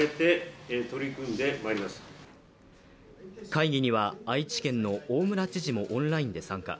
会議には愛知県の大村知事もオンラインで参加。